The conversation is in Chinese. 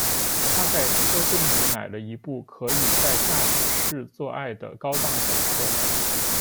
他在车店里买了一部可以在驾驶室做爱的高档小车。